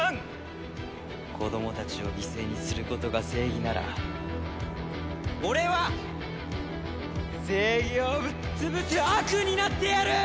子供たちを犠牲にすることが正義なら俺は正義をぶっ潰す悪になってやる！